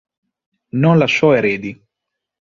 Non lasciò eredi.